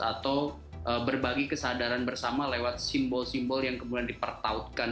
atau berbagi kesadaran bersama lewat simbol simbol yang kemudian dipertautkan